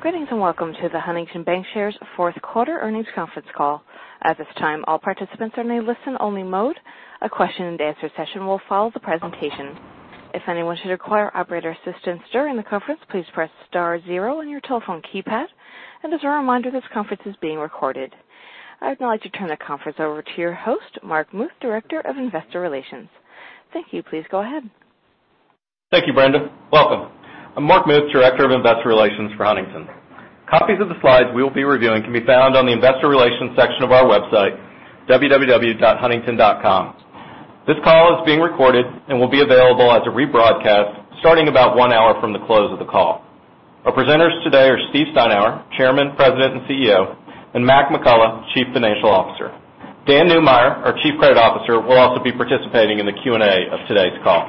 Greetings, welcome to the Huntington Bancshares fourth quarter earnings conference call. At this time, all participants are in a listen-only mode. A question and answer session will follow the presentation. If anyone should require operator assistance during the conference, please press star zero on your telephone keypad. As a reminder, this conference is being recorded. I would now like to turn the conference over to your host, Mark Muth, Director of Investor Relations. Thank you. Please go ahead. Thank you, Brenda. Welcome. I'm Mark Muth, Director of Investor Relations for Huntington Bancshares. Copies of the slides we will be reviewing can be found on the investor relations section of our website, www.huntington.com. This call is being recorded and will be available as a rebroadcast starting about one hour from the close of the call. Our presenters today are Steve Steinour, Chairman, President, and CEO, and Mac McCullough, Chief Financial Officer. Dan Neumeyer, our Chief Credit Officer, will also be participating in the Q&A of today's call.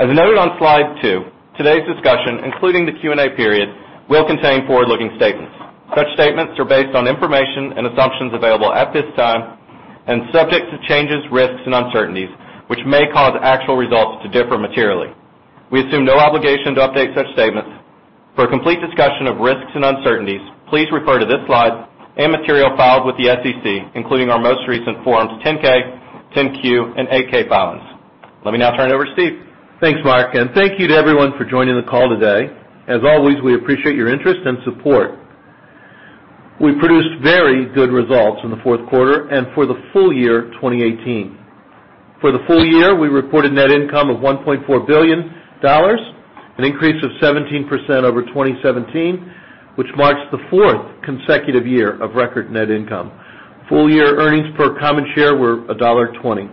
As noted on slide two, today's discussion, including the Q&A period, will contain forward-looking statements. Such statements are based on information and assumptions available at this time and subject to changes, risks, and uncertainties, which may cause actual results to differ materially. We assume no obligation to update such statements. For a complete discussion of risks and uncertainties, please refer to this slide and material filed with the SEC, including our most recent Forms 10-K, 10-Q, and 8-K filings. Let me now turn it over to Steve Steinour. Thanks, Mark Muth, thank you to everyone for joining the call today. As always, we appreciate your interest and support. We produced very good results in the fourth quarter and for the full year 2018. For the full year, we reported net income of $1.4 billion, an increase of 17% over 2017, which marks the fourth consecutive year of record net income. Full-year earnings per common share were $1.20.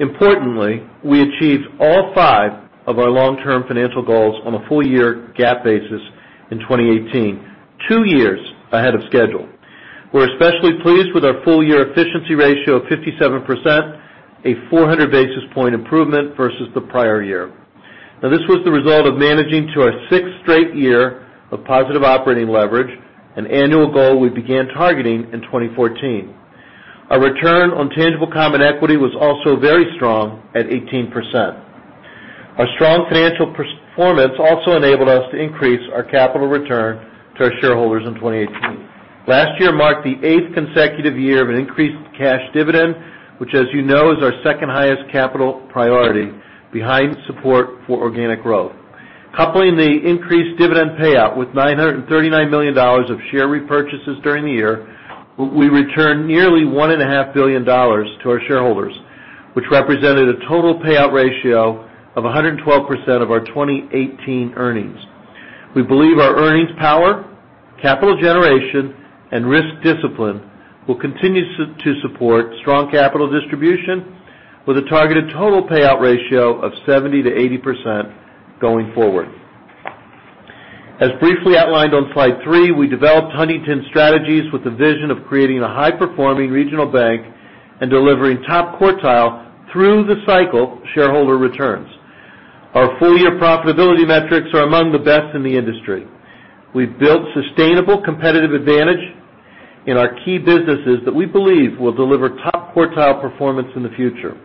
Importantly, we achieved all five of our long-term financial goals on a full-year GAAP basis in 2018, two years ahead of schedule. We're especially pleased with our full-year efficiency ratio of 57%, a 400 basis point improvement versus the prior year. This was the result of managing to our sixth straight year of positive operating leverage, an annual goal we began targeting in 2014. Our return on tangible common equity was also very strong at 18%. Our strong financial performance also enabled us to increase our capital return to our shareholders in 2018. Last year marked the eighth consecutive year of an increased cash dividend, which as you know, is our second highest capital priority behind support for organic growth. Coupling the increased dividend payout with $939 million of share repurchases during the year, we returned nearly $1.5 billion to our shareholders, which represented a total payout ratio of 112% of our 2018 earnings. We believe our earnings power, capital generation, and risk discipline will continue to support strong capital distribution with a targeted total payout ratio of 70%-80% going forward. As briefly outlined on slide three, we developed Huntington Bancshares' strategies with the vision of creating a high-performing regional bank and delivering top quartile through the cycle shareholder returns. Our full-year profitability metrics are among the best in the industry. We've built sustainable competitive advantage in our key businesses that we believe will deliver top quartile performance in the future.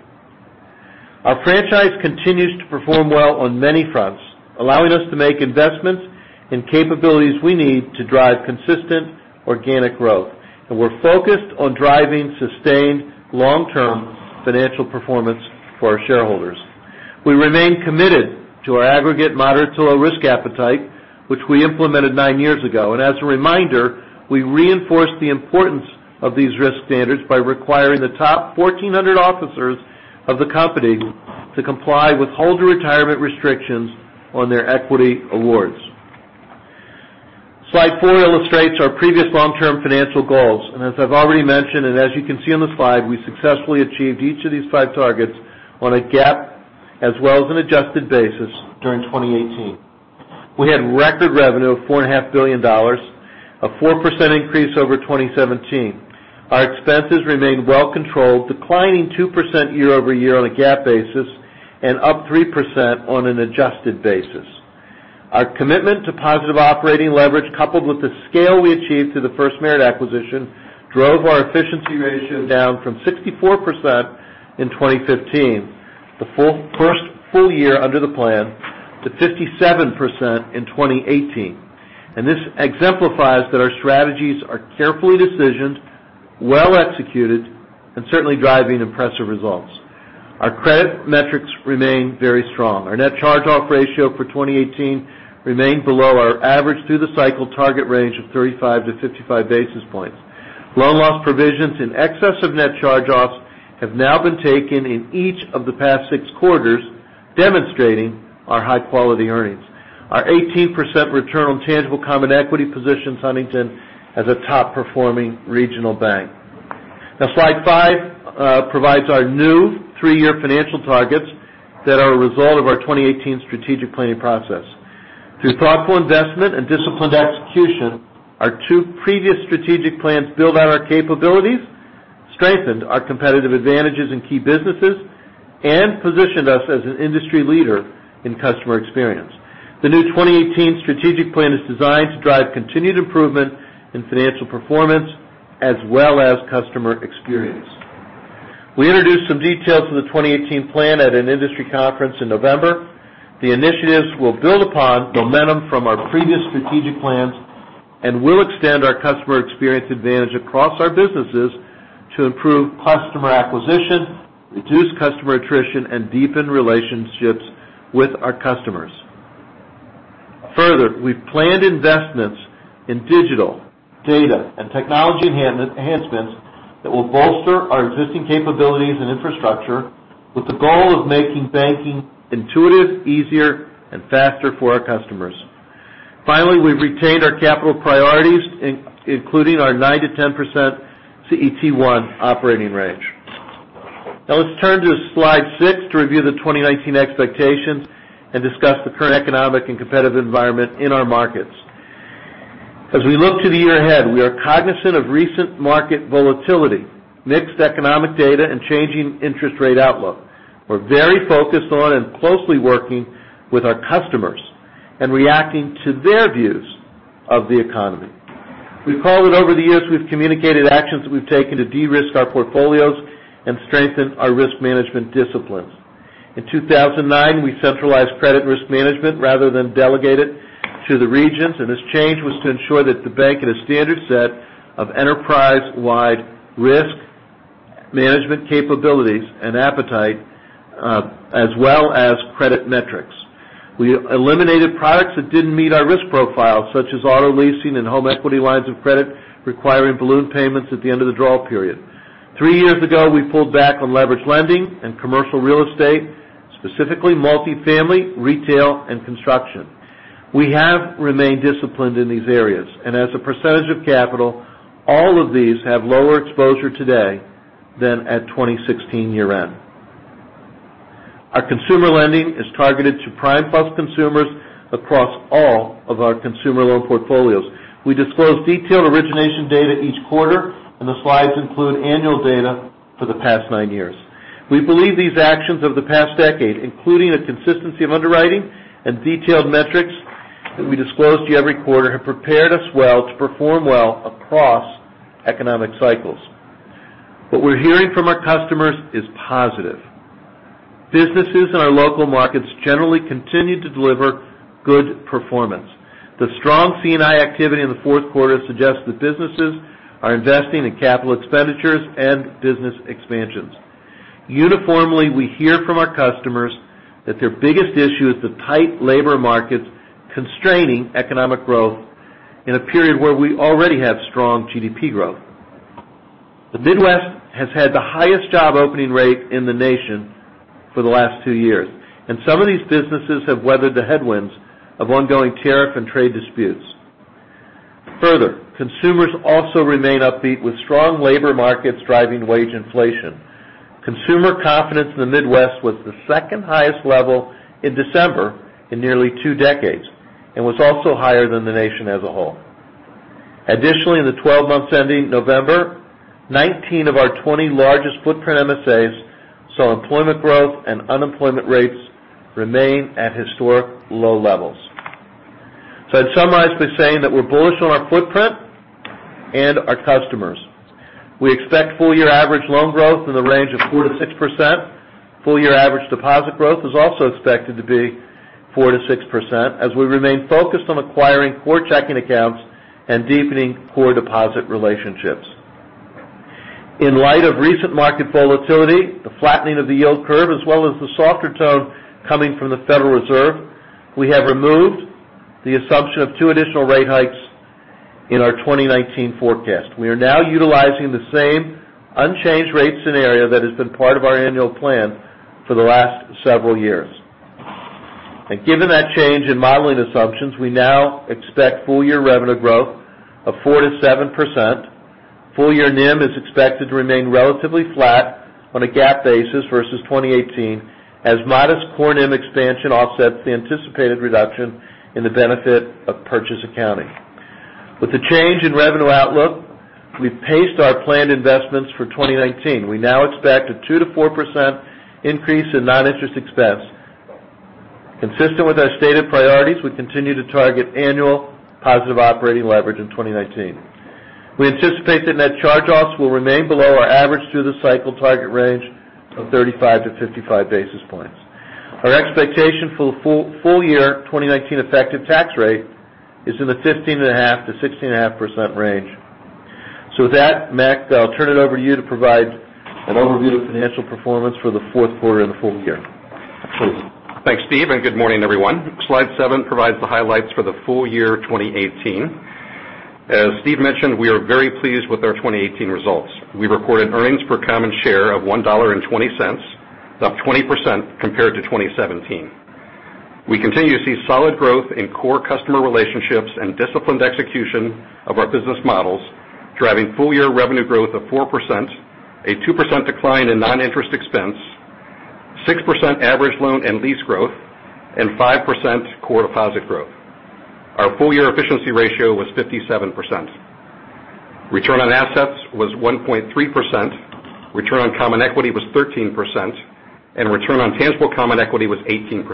Our franchise continues to perform well on many fronts, allowing us to make investments in capabilities we need to drive consistent organic growth. We're focused on driving sustained long-term financial performance for our shareholders. We remain committed to our aggregate moderate to low risk appetite, which we implemented nine years ago. As a reminder, we reinforce the importance of these risk standards by requiring the top 1,400 officers of the company to comply with holder retirement restrictions on their equity awards. Slide four illustrates our previous long-term financial goals. As I've already mentioned, as you can see on the slide, we successfully achieved each of these five targets on a GAAP as well as an adjusted basis during 2018. We had record revenue of $4.5 billion, a 4% increase over 2017. Our expenses remained well controlled, declining 2% year-over-year on a GAAP basis and up 3% on an adjusted basis. Our commitment to positive operating leverage, coupled with the scale we achieved through the FirstMerit acquisition, drove our efficiency ratio down from 64% in 2015, the first full year under the plan, to 57% in 2018. This exemplifies that our strategies are carefully decisioned, well executed, and certainly driving impressive results. Our credit metrics remain very strong. Our net charge-off ratio for 2018 remained below our average through the cycle target range of 35 to 55 basis points. Loan loss provisions in excess of net charge-offs have now been taken in each of the past six quarters, demonstrating our high-quality earnings. Our 18% return on tangible common equity positions Huntington Bancshares as a top-performing regional bank. Now, slide five provides our new three-year financial targets that are a result of our 2018 strategic planning process. Through thoughtful investment and disciplined execution, our two previous strategic plans build out our capabilities, strengthened our competitive advantages in key businesses, and positioned us as an industry leader in customer experience. The new 2018 strategic plan is designed to drive continued improvement in financial performance as well as customer experience. We introduced some details of the 2018 plan at an industry conference in November. The initiatives will build upon momentum from our previous strategic plans and will extend our customer experience advantage across our businesses to improve customer acquisition, reduce customer attrition, and deepen relationships with our customers. Further, we've planned investments in digital data and technology enhancements that will bolster our existing capabilities and infrastructure with the goal of making banking intuitive, easier, and faster for our customers. Finally, we've retained our capital priorities, including our 9%-10% CET1 operating range. Now, let's turn to slide six to review the 2019 expectations and discuss the current economic and competitive environment in our markets. As we look to the year ahead, we are cognizant of recent market volatility, mixed economic data, and changing interest rate outlook. We're very focused on and closely working with our customers and reacting to their views of the economy. We call it over the years, we've communicated actions that we've taken to de-risk our portfolios and strengthen our risk management disciplines. In 2009, we centralized credit risk management rather than delegate it to the regions, and this change was to ensure that the bank had a standard set of enterprise-wide risk management capabilities and appetite, as well as credit metrics. We eliminated products that didn't meet our risk profile, such as auto leasing and home equity lines of credit requiring balloon payments at the end of the draw period. Three years ago, we pulled back on leverage lending and commercial real estate, specifically multifamily, retail, and construction. We have remained disciplined in these areas, and as a percentage of capital, all of these have lower exposure today than at 2016 year-end. Our consumer lending is targeted to prime plus consumers across all of our consumer loan portfolios. We disclose detailed origination data each quarter, and the slides include annual data for the past nine years. We believe these actions over the past decade, including the consistency of underwriting and detailed metrics that we disclose to you every quarter, have prepared us well to perform well across economic cycles. What we're hearing from our customers is positive. Businesses in our local markets generally continue to deliver good performance. The strong C&I activity in the fourth quarter suggests that businesses are investing in capital expenditures and business expansions. Uniformly, we hear from our customers that their biggest issue is the tight labor markets constraining economic growth in a period where we already have strong GDP growth. The Midwest has had the highest job opening rate in the nation for the last two years, some of these businesses have weathered the headwinds of ongoing tariff and trade disputes. Further, consumers also remain upbeat with strong labor markets driving wage inflation. Consumer confidence in the Midwest was the second highest level in December in nearly two decades and was also higher than the nation as a whole. Additionally, in the 12 months ending November, 19 of our 20 largest footprint MSAs saw employment growth and unemployment rates remain at historic low levels. I'd summarize by saying that we're bullish on our footprint and our customers. We expect full-year average loan growth in the range of 4%-6%. Full-year average deposit growth is also expected to be 4%-6% as we remain focused on acquiring core checking accounts and deepening core deposit relationships. In light of recent market volatility, the flattening of the yield curve, as well as the softer tone coming from the Federal Reserve, we have removed the assumption of two additional rate hikes in our 2019 forecast. We are now utilizing the same unchanged rate scenario that has been part of our annual plan for the last several years. Given that change in modeling assumptions, we now expect full-year revenue growth of 4%-7%. Full-year NIM is expected to remain relatively flat on a GAAP basis versus 2018 as modest core NIM expansion offsets the anticipated reduction in the benefit of purchase accounting. With the change in revenue outlook, we've paced our planned investments for 2019. We now expect a 2%-4% increase in non-interest expense. Consistent with our stated priorities, we continue to target annual positive operating leverage in 2019. We anticipate that net charge-offs will remain below our average through the cycle target range of 35-55 basis points. Our expectation for the full year 2019 effective tax rate is in the 15.5%-16.5% range. With that, Mac McCullough, I'll turn it over to you to provide an overview of financial performance for the fourth quarter and the full year. Thanks, Steve Steinour, and good morning, everyone. Slide seven provides the highlights for the full year 2018. As Steve Steinour mentioned, we are very pleased with our 2018 results. We recorded earnings per common share of $1.20, up 20% compared to 2017. We continue to see solid growth in core customer relationships and disciplined execution of our business models, driving full-year revenue growth of 4%, a 2% decline in non-interest expense, 6% average loan and lease growth, and 5% core deposit growth. Our full-year efficiency ratio was 57%. Return on assets was 1.3%, return on common equity was 13%, and return on tangible common equity was 18%.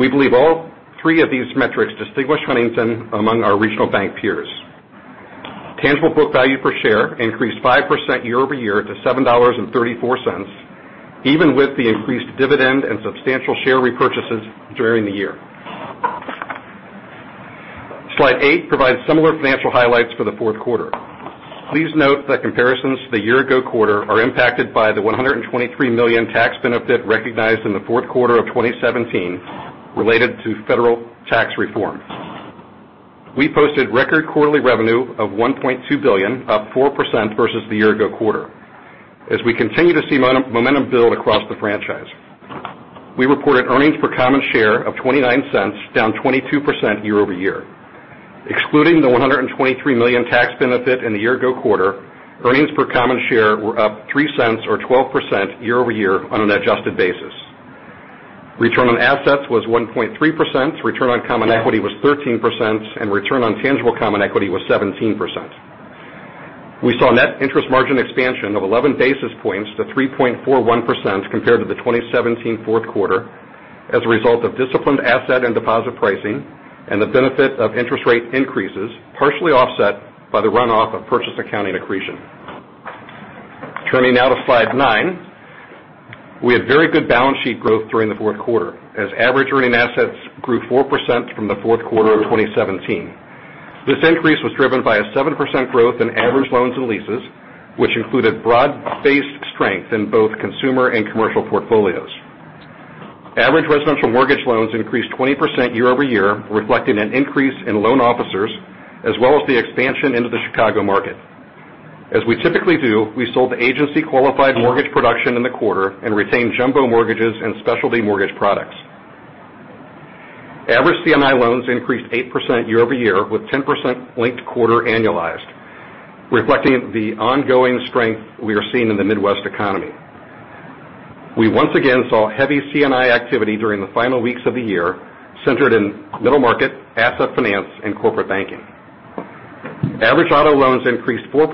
We believe all three of these metrics distinguish Huntington Bancshares among our regional bank peers. Tangible book value per share increased 5% year-over-year to $7.34, even with the increased dividend and substantial share repurchases during the year. Slide eight provides similar financial highlights for the fourth quarter. Please note that comparisons to the year ago quarter are impacted by the $123 million tax benefit recognized in the fourth quarter of 2017 related to federal tax reform. We posted record quarterly revenue of $1.2 billion, up 4% versus the year ago quarter, as we continue to see momentum build across the franchise. We reported earnings per common share of $0.29, down 22% year-over-year. Excluding the $123 million tax benefit in the year ago quarter, earnings per common share were up $0.03 or 12% year-over-year on an adjusted basis. Return on assets was 1.3%, return on common equity was 13%, and return on tangible common equity was 17%. We saw net interest margin expansion of 11 basis points to 3.41% compared to the 2017 fourth quarter as a result of disciplined asset and deposit pricing and the benefit of interest rate increases, partially offset by the runoff of purchase accounting accretion. Turning now to slide nine. We had very good balance sheet growth during the fourth quarter as average earning assets grew 4% from the fourth quarter of 2017. This increase was driven by a 7% growth in average loans and leases, which included broad-based strength in both consumer and commercial portfolios. Average residential mortgage loans increased 20% year-over-year, reflecting an increase in loan officers, as well as the expansion into the Chicago market. As we typically do, we sold agency qualified mortgage production in the quarter and retained jumbo mortgages and specialty mortgage products. Average C&I loans increased 8% year-over-year, with 10% linked quarter annualized, reflecting the ongoing strength we are seeing in the Midwest economy. We once again saw heavy C&I activity during the final weeks of the year, centered in middle market, asset finance, and corporate banking. Average auto loans increased 4%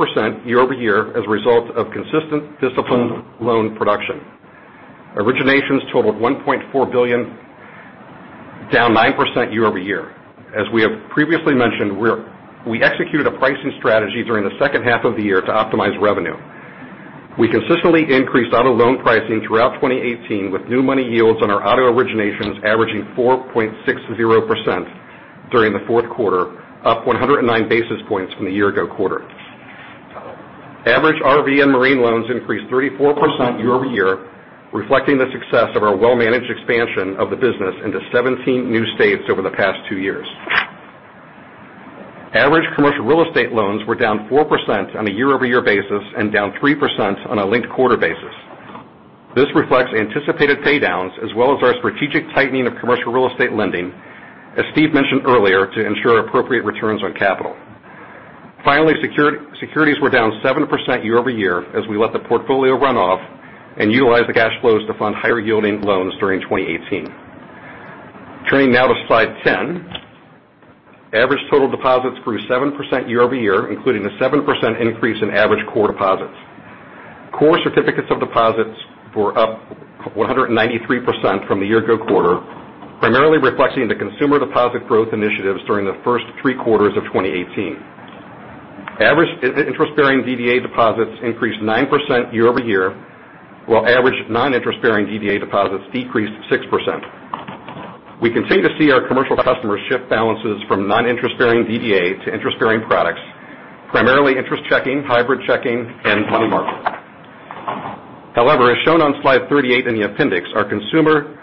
year-over-year as a result of consistent disciplined loan production. Originations totaled $1.4 billion, down 9% year-over-year. As we have previously mentioned, we execute a pricing strategy during the second half of the year to optimize revenue. We consistently increased auto loan pricing throughout 2018, with new money yields on our auto originations averaging 4.60% during the fourth quarter, up 109 basis points from the year ago quarter. Average RV and marine loans increased 34% year-over-year, reflecting the success of our well-managed expansion of the business into 17 new states over the past two years. Average commercial real estate loans were down 4% on a year-over-year basis and down 3% on a linked quarter basis. This reflects anticipated paydowns as well as our strategic tightening of commercial real estate lending, as Steve Steinour mentioned earlier, to ensure appropriate returns on capital. Finally, securities were down 7% year-over-year as we let the portfolio run off and utilize the cash flows to fund higher yielding loans during 2018. Turning now to slide 10. Average total deposits grew 7% year-over-year, including a 7% increase in average core deposits. Core certificates of deposits were up 193% from the year ago quarter, primarily reflecting the consumer deposit growth initiatives during the first three quarters of 2018. Average interest-bearing DDA deposits increased 9% year-over-year, while average non-interest bearing DDA deposits decreased 6%. We continue to see our commercial customers shift balances from non-interest bearing DDA to interest-bearing products, primarily interest checking, hybrid checking, and money market. However, as shown on slide 38 in the appendix, our consumer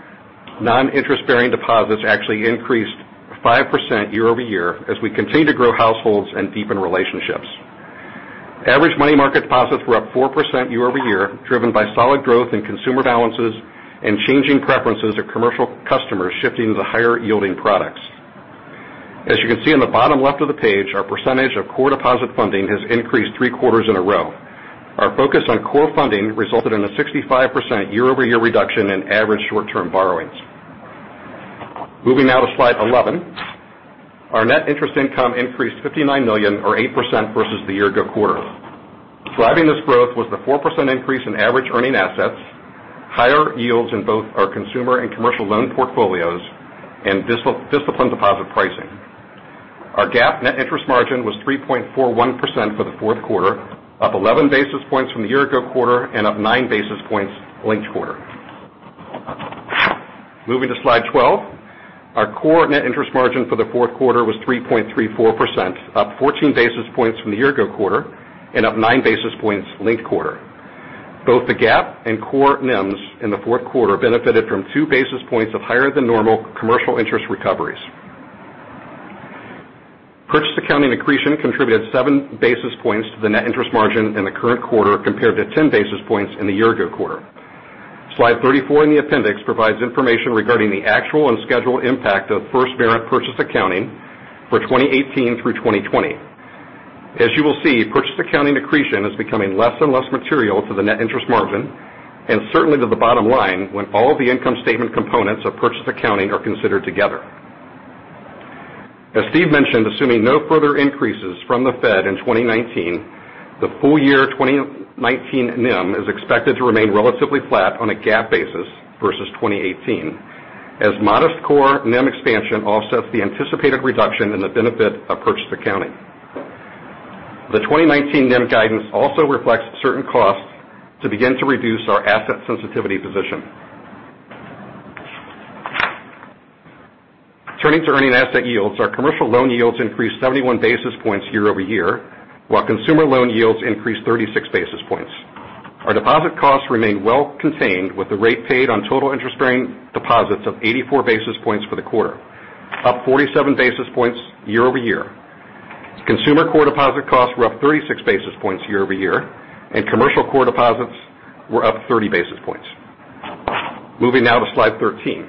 non-interest bearing deposits actually increased 5% year-over-year as we continue to grow households and deepen relationships. Average money market deposits were up 4% year-over-year, driven by solid growth in consumer balances and changing preferences of commercial customers shifting to the higher yielding products. As you can see in the bottom left of the page, our percentage of core deposit funding has increased three quarters in a row. Our focus on core funding resulted in a 65% year-over-year reduction in average short-term borrowings. Moving now to slide 11. Our net interest income increased $59 million, or 8%, versus the year ago quarter. Driving this growth was the 4% increase in average earning assets, higher yields in both our consumer and commercial loan portfolios, and disciplined deposit pricing. Our GAAP net interest margin was 3.41% for the fourth quarter, up 11 basis points from the year ago quarter and up nine basis points linked quarter. Moving to slide 12. Our core net interest margin for the fourth quarter was 3.34%, up 14 basis points from the year ago quarter and up nine basis points linked quarter. Both the GAAP and core NIMS in the fourth quarter benefited from two basis points of higher than normal commercial interest recoveries. Purchase accounting accretion contributed seven basis points to the net interest margin in the current quarter, compared to 10 basis points in the year ago quarter. Slide 34 in the appendix provides information regarding the actual and scheduled impact of FirstMerit purchase accounting for 2018 through 2020. As you will see, purchase accounting accretion is becoming less and less material to the net interest margin and certainly to the bottom line when all the income statement components of purchase accounting are considered together. As Steve Steinour mentioned, assuming no further increases from the Fed in 2019, the full year 2019 NIM is expected to remain relatively flat on a GAAP basis versus 2018, as modest core NIM expansion offsets the anticipated reduction in the benefit of purchase accounting. The 2019 NIM guidance also reflects certain costs to begin to reduce our asset sensitivity position. Turning to earning asset yields, our commercial loan yields increased 71 basis points year-over-year, while consumer loan yields increased 36 basis points. Our deposit costs remain well contained, with the rate paid on total interest-bearing deposits of 84 basis points for the quarter, up 47 basis points year-over-year. Consumer core deposit costs were up 36 basis points year-over-year, and commercial core deposits were up 30 basis points. Moving now to slide 13.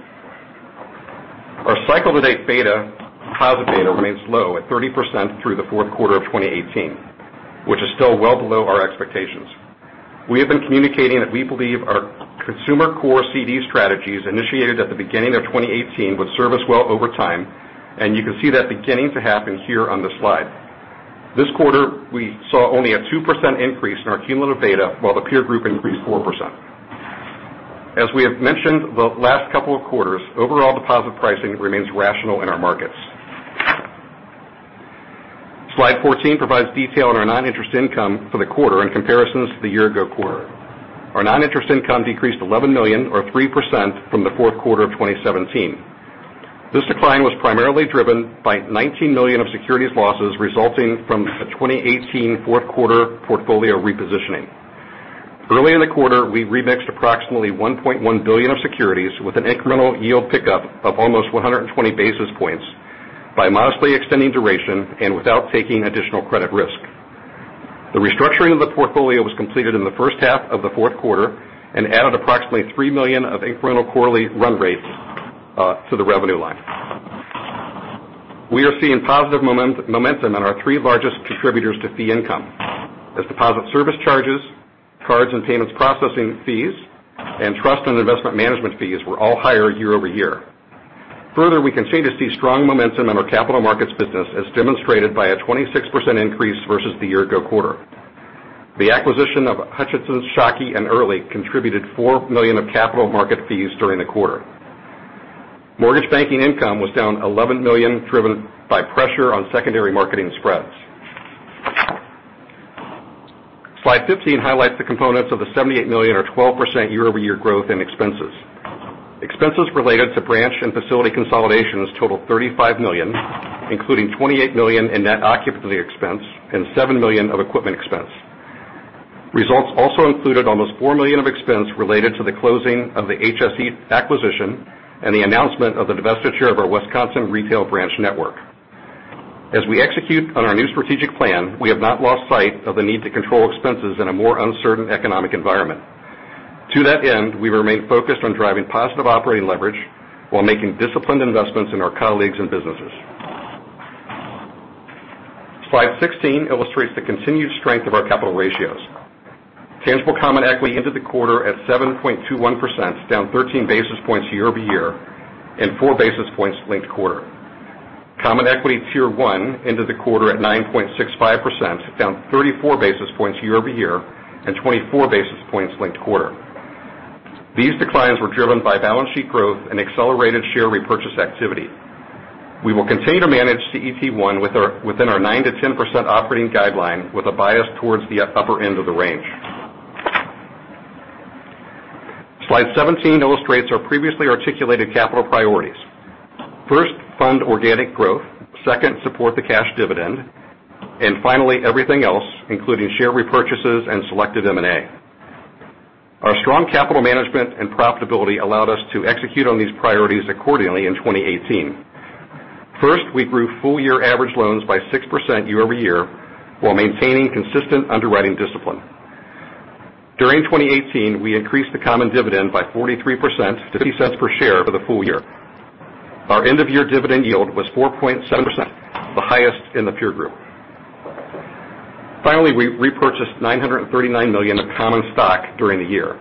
Our cycle-to-date beta, positive beta remains low at 30% through the fourth quarter of 2018, which is still well below our expectations. We have been communicating that we believe our consumer core CD strategies initiated at the beginning of 2018 would serve us well over time, and you can see that beginning to happen here on the slide. This quarter, we saw only a 2% increase in our cumulative beta, while the peer group increased 4%. As we have mentioned the last couple of quarters, overall deposit pricing remains rational in our markets. Slide 14 provides detail on our non-interest income for the quarter in comparisons to the year ago quarter. Our non-interest income decreased $11 million or 3% from the fourth quarter of 2017. This decline was primarily driven by $19 million of securities losses resulting from a 2018 fourth quarter portfolio repositioning. Early in the quarter, we remixed approximately $1.1 billion of securities with an incremental yield pickup of almost 120 basis points by modestly extending duration and without taking additional credit risk. The restructuring of the portfolio was completed in the first half of the fourth quarter and added approximately $3 million of incremental quarterly run rates to the revenue line. We are seeing positive momentum in our three largest contributors to fee income. As deposit service charges, cards and payments processing fees, and trust and investment management fees were all higher year-over-year. Further, we continue to see strong momentum in our capital markets business as demonstrated by a 26% increase versus the year ago quarter. The acquisition of Hutchinson, Shockey and Erley contributed $4 million of capital market fees during the quarter. Mortgage banking income was down $11 million, driven by pressure on secondary marketing spreads. Slide 15 highlights the components of the $78 million or 12% year-over-year growth in expenses. Expenses related to branch and facility consolidations total $35 million, including $28 million in net occupancy expense and $7 million of equipment expense. Results also included almost $4 million of expense related to the closing of the HSE acquisition and the announcement of the divestiture of our Wisconsin retail branch network. As we execute on our new strategic plan, we have not lost sight of the need to control expenses in a more uncertain economic environment. To that end, we remain focused on driving positive operating leverage while making disciplined investments in our colleagues and businesses. Slide 16 illustrates the continued strength of our capital ratios. Tangible common equity ended the quarter at 7.21%, down 13 basis points year-over-year and four basis points linked quarter. Common equity tier one ended the quarter at 9.65%, down 34 basis points year-over-year and 24 basis points linked quarter. These declines were driven by balance sheet growth and accelerated share repurchase activity. We will continue to manage CET1 within our 9%-10% operating guideline with a bias towards the upper end of the range. Slide 17 illustrates our previously articulated capital priorities. First, fund organic growth. Second, support the cash dividend. Finally, everything else, including share repurchases and selected M&A. Our strong capital management and profitability allowed us to execute on these priorities accordingly in 2018. First, we grew full year average loans by 6% year-over-year while maintaining consistent underwriting discipline. During 2018, we increased the common dividend by 43%, to $0.50 per share for the full year. Our end of year dividend yield was 4.7%, the highest in the peer group. Finally, we repurchased $939 million of common stock during the year.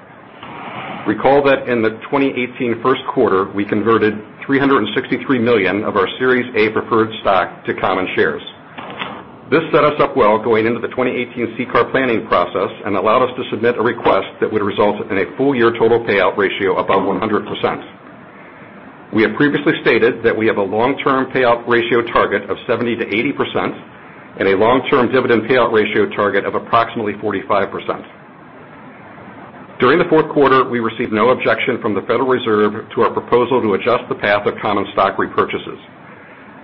Recall that in the 2018 first quarter, we converted $363 million of our Series A preferred stock to common shares. This set us up well going into the 2018 CCAR planning process and allowed us to submit a request that would result in a full year total payout ratio above 100%. We have previously stated that we have a long-term payout ratio target of 70%-80% and a long-term dividend payout ratio target of approximately 45%. During the fourth quarter, we received no objection from the Federal Reserve to our proposal to adjust the path of common stock repurchases.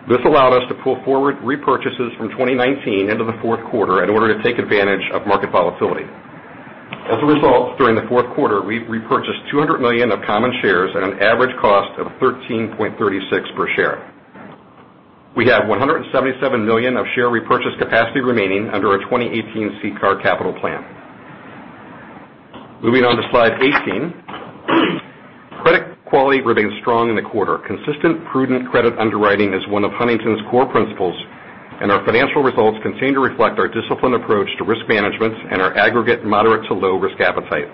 This allowed us to pull forward repurchases from 2019 into the fourth quarter in order to take advantage of market volatility. As a result, during the fourth quarter, we repurchased $200 million of common shares at an average cost of $13.36 per share. We have $177 million of share repurchase capacity remaining under our 2018 CCAR capital plan. Moving on to slide 18. Credit quality remains strong in the quarter. Consistent, prudent credit underwriting is one of Huntington Bancshares' core principles. Our financial results continue to reflect our disciplined approach to risk management and our aggregate moderate to low risk appetite.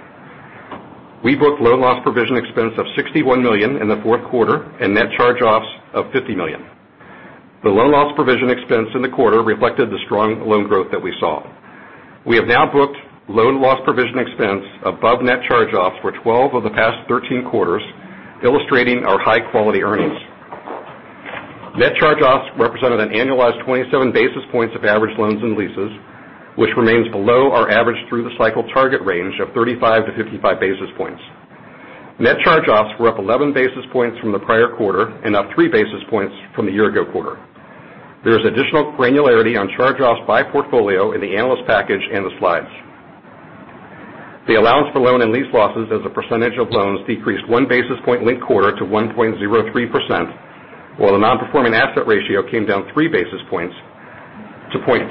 We booked loan loss provision expense of $61 million in the fourth quarter, and net charge-offs of $50 million. The loan loss provision expense in the quarter reflected the strong loan growth that we saw. We have now booked loan loss provision expense above net charge-offs for 12 of the past 13 quarters, illustrating our high-quality earnings. Net charge-offs represented an annualized 27 basis points of average loans and leases, which remains below our average through-the-cycle target range of 35-55 basis points. Net charge-offs were up 11 basis points from the prior quarter and up three basis points from the year-ago quarter. There is additional granularity on charge-offs by portfolio in the analyst package and the slides. The allowance for loan and lease losses as a percentage of loans decreased one basis point linked quarter to 1.03%, while the non-performing asset ratio came down three basis points to 0.52%.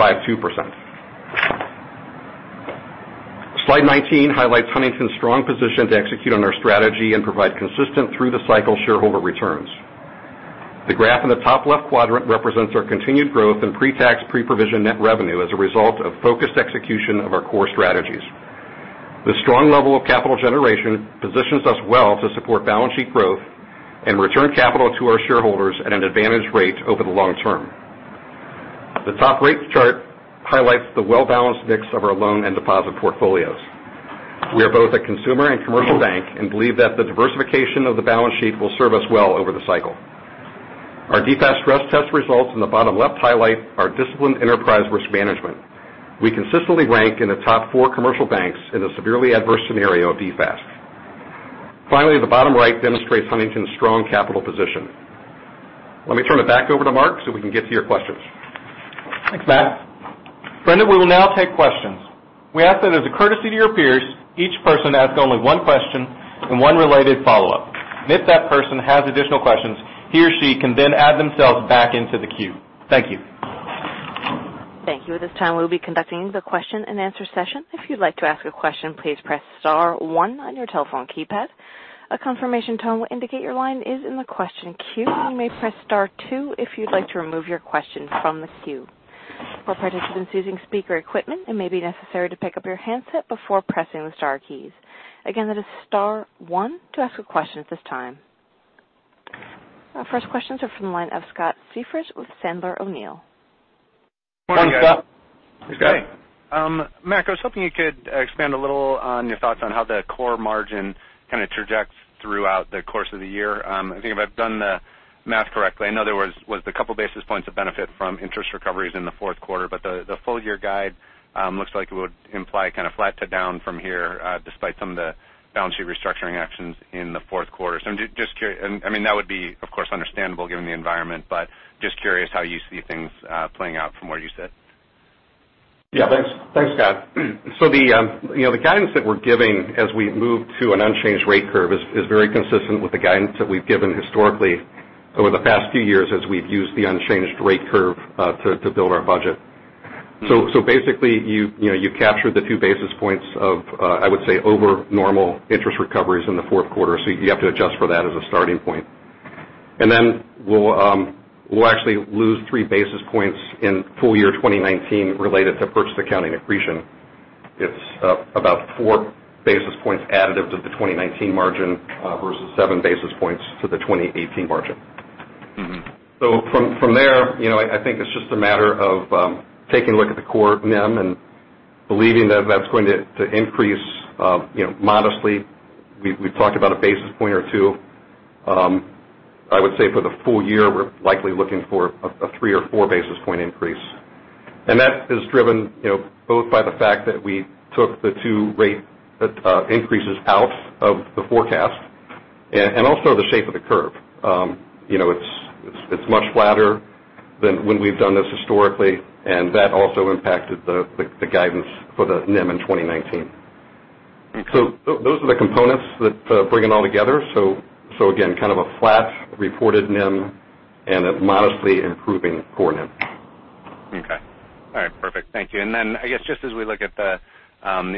Slide 19 highlights Huntington Bancshares' strong position to execute on our strategy and provide consistent through-the-cycle shareholder returns. The graph in the top-left quadrant represents our continued growth in pre-tax, pre-provision net revenue as a result of focused execution of our core strategies. The strong level of capital generation positions us well to support balance sheet growth and return capital to our shareholders at an advantage rate over the long term. The top-right chart highlights the well-balanced mix of our loan and deposit portfolios. We are both a consumer and commercial bank and believe that the diversification of the balance sheet will serve us well over the cycle. Our DFAST stress test results in the bottom left highlight our disciplined enterprise risk management. We consistently rank in the top four commercial banks in a severely adverse scenario of DFAST. Finally, the bottom right demonstrates Huntington Bancshares' strong capital position. Let me turn it back over to Mark Muth so we can get to your questions. Thanks, Mac McCullough. Brendan, we will now take questions. We ask that as a courtesy to your peers, each person ask only one question and one related follow-up. If that person has additional questions, he or she can add themselves back into the queue. Thank you. Thank you. At this time, we will be conducting the question and answer session. If you'd like to ask a question, please press star one on your telephone keypad. A confirmation tone will indicate your line is in the question queue. You may press star two if you'd like to remove your question from the queue. For participants using speaker equipment, it may be necessary to pick up your handset before pressing the star keys. Again, that is star one to ask a question at this time. Our first questions are from the line of Scott Siefers with Sandler O'Neill. Good morning, Scott Siefers. Mac McCullough, I was hoping you could expand a little on your thoughts on how the core margin kind of trajects throughout the course of the year. I think if I've done the math correctly, in other words, was the couple basis points of benefit from interest recoveries in the fourth quarter, but the full year guide looks like it would imply kind of flat to down from here, despite some of the balance sheet restructuring actions in the fourth quarter. I mean, that would be, of course, understandable given the environment, but just curious how you see things playing out from where you sit. Yeah, thanks, Scott Siefers. The guidance that we're giving as we move to an unchanged rate curve is very consistent with the guidance that we've given historically over the past few years as we've used the unchanged rate curve to build our budget. Basically, you captured the two basis points of, I would say, over normal interest recoveries in the fourth quarter, so you have to adjust for that as a starting point. Then, we'll actually lose three basis points in full year 2019 related to purchase accounting accretion. It's about four basis points additive to the 2019 margin versus seven basis points to the 2018 margin. From there, I think it's just a matter of taking a look at the core NIM and believing that that's going to increase modestly. We've talked about a basis point or two. I would say for the full year, we're likely looking for a three or four basis point increase. That is driven both by the fact that we took the two rate increases out of the forecast and also the shape of the curve. It's much flatter than when we've done this historically, and that also impacted the guidance for the NIM in 2019. Thanks. Those are the components that bring it all together. Again, kind of a flat reported NIM and a modestly improving core NIM. Okay. All right, perfect. Thank you. I guess just as we look at the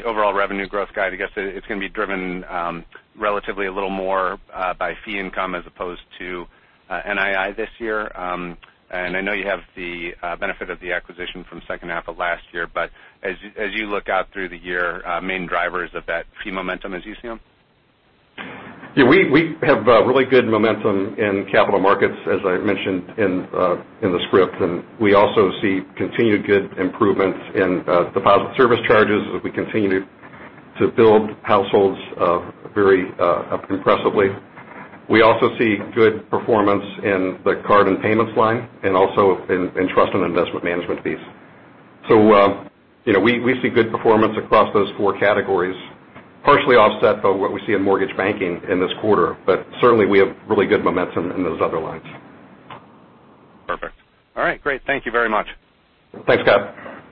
overall revenue growth guide, I guess it's going to be driven relatively a little more by fee income as opposed to NII this year. I know you have the benefit of the acquisition from second half of last year, but as you look out through the year, main drivers of that fee momentum as you see them? Yeah, we have really good momentum in capital markets, as I mentioned in the script, we also see continued good improvements in deposit service charges as we continue to build households very impressively. We also see good performance in the card and payments line and also in trust and investment management fees. We see good performance across those four categories, partially offset by what we see in mortgage banking in this quarter. Certainly, we have really good momentum in those other lines. Perfect. All right, great. Thank you very much. Thanks, Scott Siefers.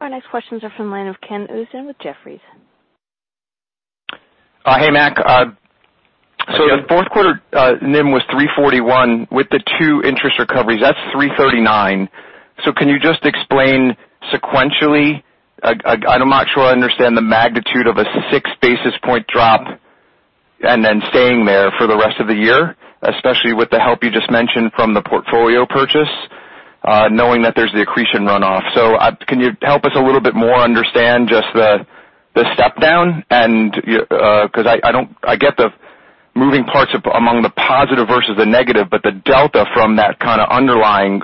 Our next questions are from the line of Ken Usdin with Jefferies. Hey, Mac McCullough. Yes. The fourth quarter NIM was 341 with the two interest recoveries. That's 339. Can you just explain sequentially? I'm not sure I understand the magnitude of a 6 basis point drop. Then staying there for the rest of the year, especially with the help you just mentioned from the portfolio purchase, knowing that there's the accretion runoff. Can you help us a little bit more understand just the step down because I get the moving parts among the positive versus the negative, but the delta from that kind of underlying,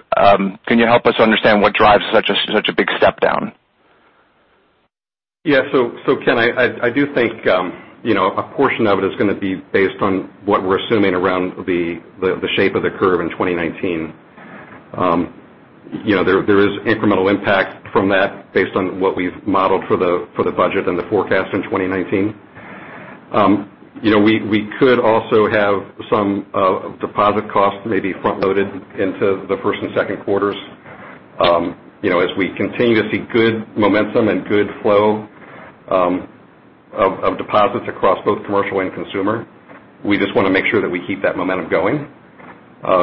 can you help us understand what drives such a big step down? Yeah. Ken Usdin, I do think a portion of it is going to be based on what we're assuming around the shape of the curve in 2019. There is incremental impact from that based on what we've modeled for the budget and the forecast in 2019. We could also have some deposit costs may be front-loaded into the first and second quarters. As we continue to see good momentum and good flow of deposits across both commercial and consumer, we just want to make sure that we keep that momentum going.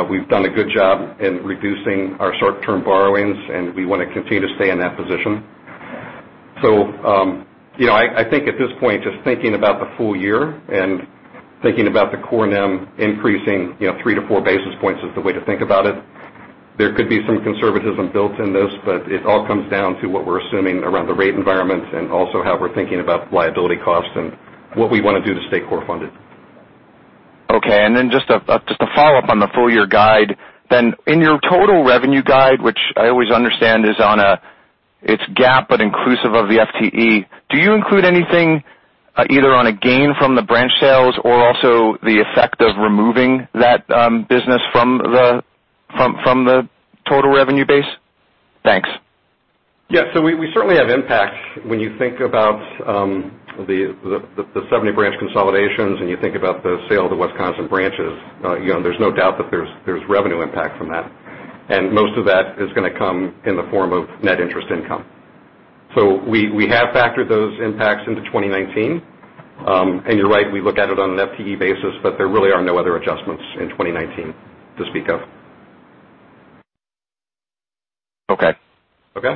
We've done a good job in reducing our short-term borrowings, and we want to continue to stay in that position. I think at this point, just thinking about the full year and thinking about the core NIM increasing three to four basis points is the way to think about it. There could be some conservatism built in this, but it all comes down to what we're assuming around the rate environment and also how we're thinking about liability costs and what we want to do to stay core funded. Okay. Just a follow-up on the full-year guide, then in your total revenue guide, which I always understand is on a, it's GAAP but inclusive of the FTE, do you include anything, either on a gain from the branch sales or also the effect of removing that business from the total revenue base? Thanks. Yeah. We certainly have impacts when you think about the 70 branch consolidations and you think about the sale of the Wisconsin branches. There's no doubt that there's revenue impact from that. Most of that is going to come in the form of net interest income. We have factored those impacts into 2019. You're right, we look at it on an FTE basis, but there really are no other adjustments in 2019 to speak of. Okay. Okay?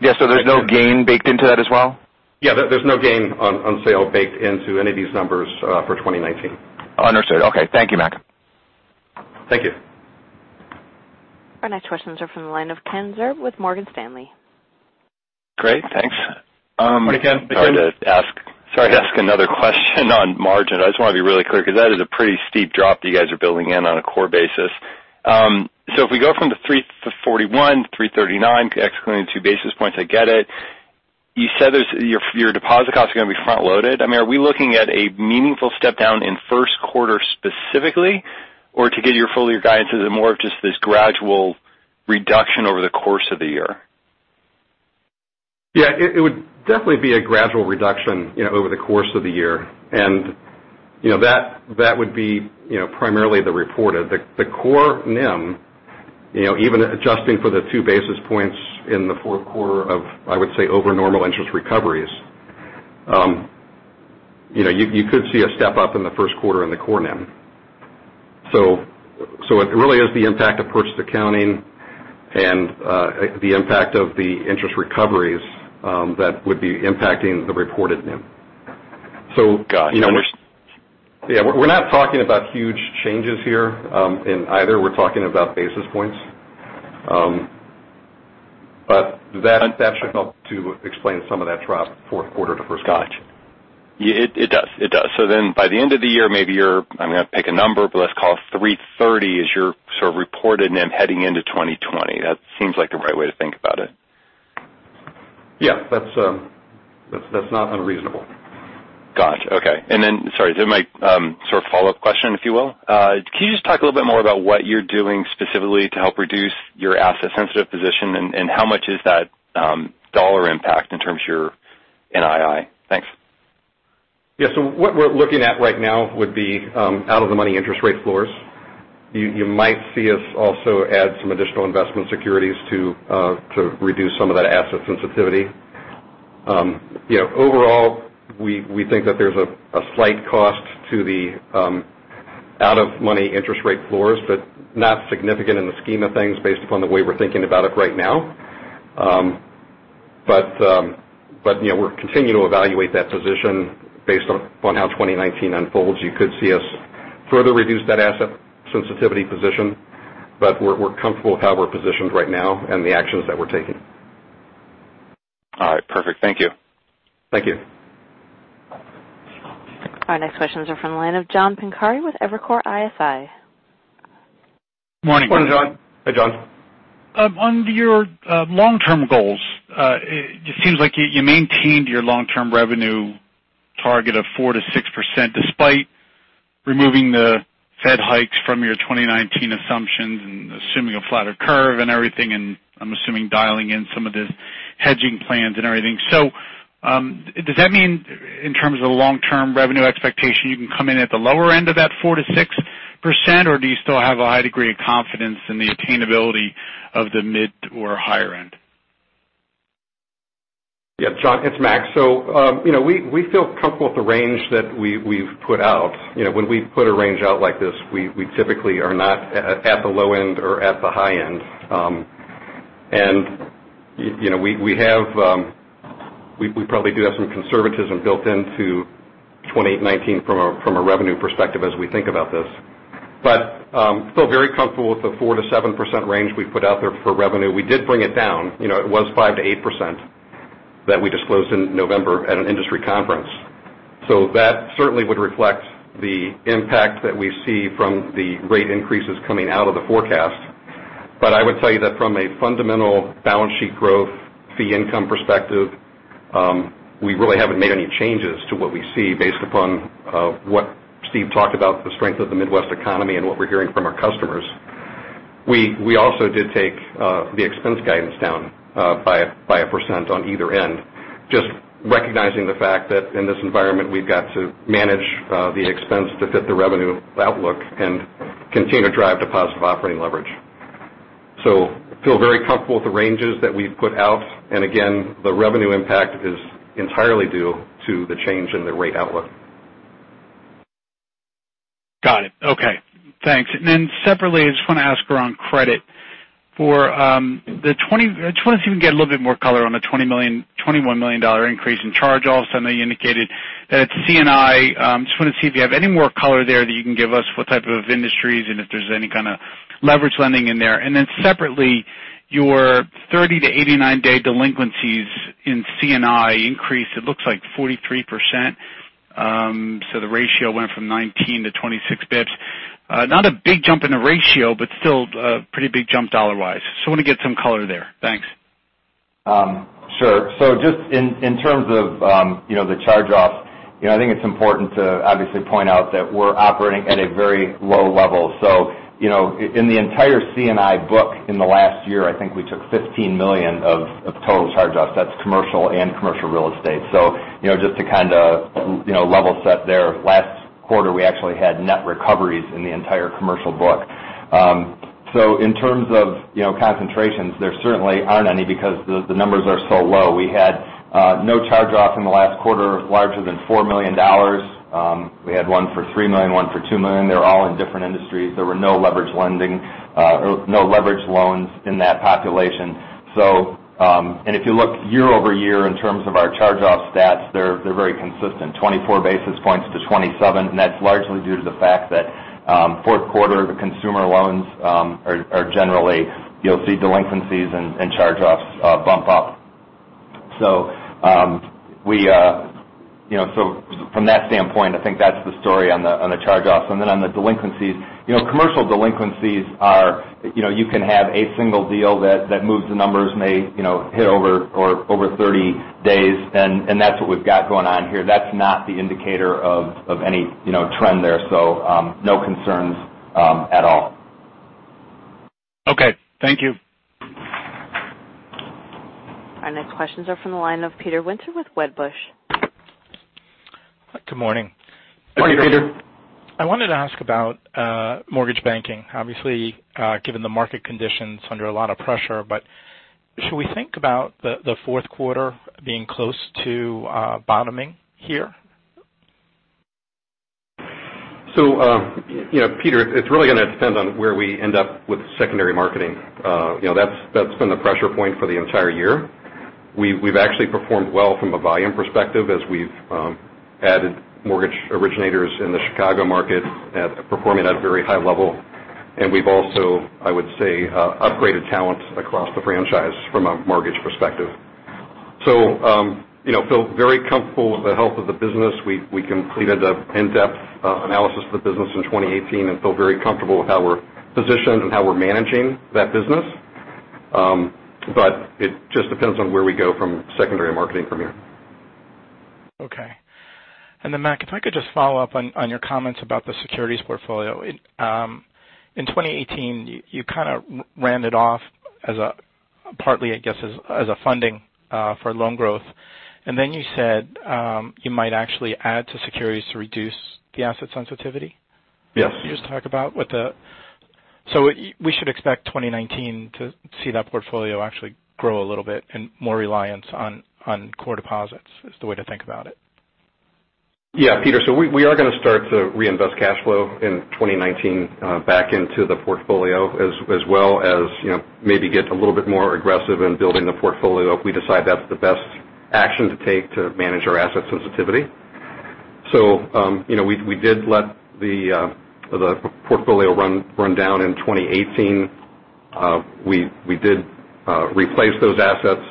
Yeah. There's no gain baked into that as well? Yeah. There's no gain on sale baked into any of these numbers for 2019. Understood. Okay. Thank you, Mac McCullough. Thank you. Our next questions are from the line of Ken Zerbe with Morgan Stanley. Great, thanks. Morning, Ken Zerbe. Sorry to ask another question on margin. I just want to be really clear because that is a pretty steep drop that you guys are building in on a core basis. If we go from the 3.41%, 3.39%, excluding the two basis points, I get it. You said your deposit costs are going to be front-loaded. Are we looking at a meaningful step down in first quarter specifically? Or to get your full year guidance, is it more of just this gradual reduction over the course of the year? It would definitely be a gradual reduction over the course of the year. That would be primarily the reported. The core NIM, even adjusting for the two basis points in the fourth quarter of, I would say, over-normal interest recoveries. You could see a step up in the first quarter in the core NIM. It really is the impact of purchase accounting and the impact of the interest recoveries that would be impacting the reported NIM. Got you. We're not talking about huge changes here and either, we're talking about basis points. That should help to explain some of that drop fourth quarter to first quarter. Got you. It does. By the end of the year, maybe you're, I'm going to pick a number, but let's call 3.30% as your sort of reported NIM heading into 2020. That seems like the right way to think about it. Yeah. That's not unreasonable. Got you. Okay. Then, sorry, to my sort of follow-up question, if you will. Can you just talk a little bit more about what you're doing specifically to help reduce your asset sensitive position, and how much is that dollar impact in terms of your NII? Thanks. Yeah. What we're looking at right now would be out-of-the-money interest rate floors. You might see us also add some additional investment securities to reduce some of that asset sensitivity. Overall, we think that there's a slight cost to the out-of-the-money interest rate floors, but not significant in the scheme of things based upon the way we're thinking about it right now. We're continuing to evaluate that position based upon how 2019 unfolds. You could see us further reduce that asset sensitivity position, but we're comfortable with how we're positioned right now and the actions that we're taking. All right. Perfect. Thank you. Thank you. Our next questions are from the line of John Pancari with Evercore ISI. Morning. Morning, John Pancari. Hey, John Pancari. On your long-term goals, it seems like you maintained your long-term revenue target of 4%-6%, despite removing the Fed hikes from your 2019 assumptions and assuming a flatter curve and everything, and I'm assuming dialing in some of the hedging plans and everything. Does that mean in terms of the long-term revenue expectation, you can come in at the lower end of that 4%-6%? Or do you still have a high degree of confidence in the attainability of the mid or higher end? Yeah. John Pancari, it's Mac McCullough. We feel comfortable with the range that we've put out. When we put a range out like this, we typically are not at the low end or at the high end. And we probably do have some conservatism built into 2019 from a revenue perspective as we think about this. Still very comfortable with the 4%-7% range we put out there for revenue. We did bring it down. It was 5%-8% that we disclosed in November at an industry conference. That certainly would reflect the impact that we see from the rate increases coming out of the forecast. I would tell you that from a fundamental balance sheet growth fee income perspective, we really haven't made any changes to what we see based upon what Steve Steinour talked about, the strength of the Midwest economy and what we're hearing from our customers. We also did take the expense guidance down by 1% on either end, just recognizing the fact that in this environment, we've got to manage the expense to fit the revenue outlook and continue to drive to positive operating leverage. Feel very comfortable with the ranges that we've put out. Again, the revenue impact is entirely due to the change in the rate outlook. Got it. Okay. Thanks. Separately, I just want to ask around credit. I just wanted to see if we can get a little bit more color on the $21 million increase in charge-offs. I know you indicated that it's C&I. Just want to see if you have any more color there that you can give us, what type of industries and if there's any kind of leverage lending in there. Separately, your 30- to 89-day delinquencies in C&I increased, it looks like 43%. The ratio went from 19 to 26 basis points. Not a big jump in the ratio, but still a pretty big jump dollar-wise. I want to get some color there. Thanks. Sure. Just in terms of the charge-offs, I think it's important to obviously point out that we're operating at a very low level. In the entire C&I book in the last year, I think we took $15 million of total charge-offs. That's commercial and commercial real estate. Just to kind of level set there. Last quarter, we actually had net recoveries in the entire commercial book. In terms of concentrations, there certainly aren't any because the numbers are so low. We had no charge-off in the last quarter larger than $4 million. We had one for $3 million, one for $2 million. They were all in different industries. There were no leverage loans in that population. If you look year-over-year in terms of our charge-off stats, they're very consistent, 24 basis points to 27 basis points. That's largely due to the fact that fourth quarter, the consumer loans are generally, you'll see delinquencies and charge-offs bump up. From that standpoint, I think that's the story on the charge-offs. Then on the delinquencies. Commercial delinquencies are, you can have a single deal that moves the numbers may hit over 30 days. That's what we've got going on here. That's not the indicator of any trend there. No concerns at all. Okay. Thank you. Our next questions are from the line of Peter Winter with Wedbush. Good morning. Morning, Peter Winter. I wanted to ask about mortgage banking. Obviously, given the market conditions, under a lot of pressure. Should we think about the fourth quarter being close to bottoming here? Peter Winter, it's really going to depend on where we end up with secondary marketing. That's been the pressure point for the entire year. We've actually performed well from a volume perspective as we've added mortgage originators in the Chicago market performing at a very high level. We've also, I would say, upgraded talent across the franchise from a mortgage perspective. Feel very comfortable with the health of the business. We completed an in-depth analysis of the business in 2018 and feel very comfortable with how we're positioned and how we're managing that business. It just depends on where we go from secondary marketing from here. Okay. Mac McCullough, if I could just follow up on your comments about the securities portfolio. In 2018, you kind of rammed it off partly, I guess, as a funding for loan growth. You said, you might actually add to securities to reduce the asset sensitivity. Yes. Can you just talk about what we should expect 2019 to see that portfolio actually grow a little bit and more reliance on core deposits is the way to think about it? Yeah, Peter Winter. We are going to start to reinvest cash flow in 2019 back into the portfolio as well as maybe get a little bit more aggressive in building the portfolio if we decide that's the best action to take to manage our asset sensitivity. We did let the portfolio run down in 2018. We did replace those assets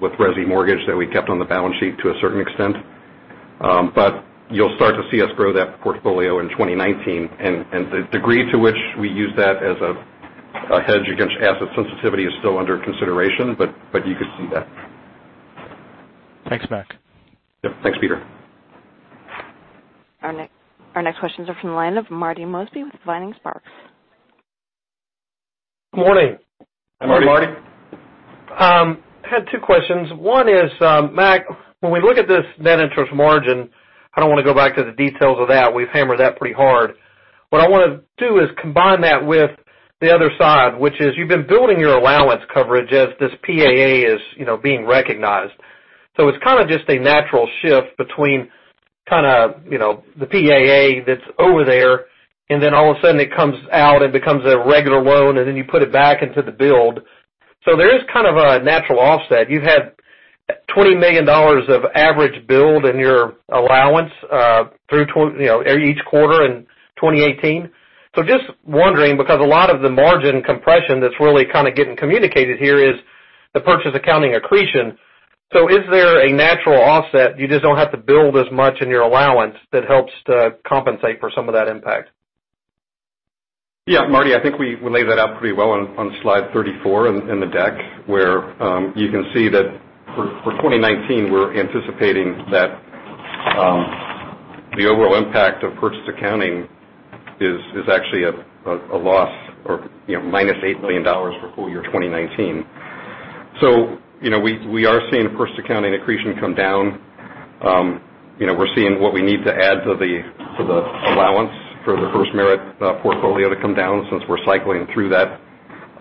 with resi mortgage that we kept on the balance sheet to a certain extent. You'll start to see us grow that portfolio in 2019. The degree to which we use that as a hedge against asset sensitivity is still under consideration, but you could see that. Thanks, Mac McCullough. Yep. Thanks, Peter Winter. Our next questions are from the line of Marty Mosby with Vining Sparks. Good morning. Hi, Marty Mosby. Hi, Marty Mosby. I had two questions. One is, Mac McCullough, when we look at this net interest margin, I don't want to go back to the details of that. We've hammered that pretty hard. What I want to do is combine that with the other side, which is you've been building your allowance coverage as this PAA is being recognized. It's kind of just a natural shift between kind of the PAA that's over there, and then all of a sudden it comes out and becomes a regular loan, and then you put it back into the build. There is kind of a natural offset. You've had $20 million of average build in your allowance through each quarter in 2018. Just wondering, because a lot of the margin compression that's really kind of getting communicated here is the purchase accounting accretion. Is there a natural offset? You just don't have to build as much in your allowance that helps to compensate for some of that impact. Yeah, Marty Mosby, I think we laid that out pretty well on slide 34 in the deck, where you can see that for 2019, we're anticipating that the overall impact of purchase accounting is actually a loss or minus $8 million for full year 2019. We are seeing purchase accounting accretion come down. We're seeing what we need to add to the allowance for the FirstMerit portfolio to come down since we're cycling through that.